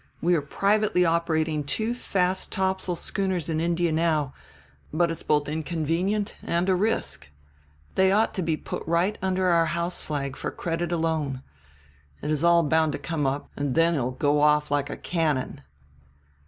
We are privately operating two fast topsail schooners in India now, but it's both inconvenient and a risk. They ought to be put right under our house flag for credit alone. It is all bound to come up, and then he'll go off like a cannon."